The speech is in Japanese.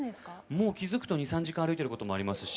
もう気づくと２３時間歩いてることもありますし。